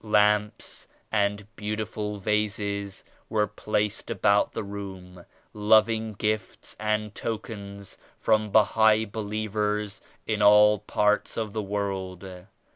Lamps and beautiful vases were placed about the room, loving gifts and tokens from Bahai believers in all parts of the world.